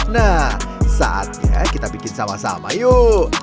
nah saatnya kita bikin sama sama yuk